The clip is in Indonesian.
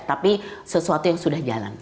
tapi sesuatu yang sudah jalan